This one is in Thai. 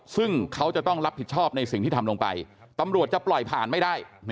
ซึ่งเขาจะต้องรับผิดชอบในสิ่งที่ทำลงไปตำรวจจะปล่อยผ่านไม่ได้